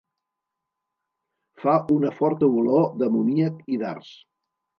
Fa una forta olor d'amoníac i d'arç.